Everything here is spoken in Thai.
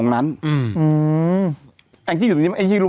ไม่รู้